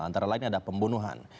antara lain ada pembunuhan